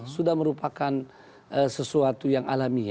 sudah merupakan sesuatu yang alami